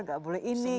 tidak boleh ini